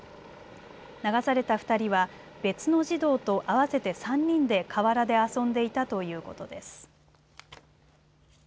流された２人は別の児童と合わせて３人で河原で遊んでいたということです。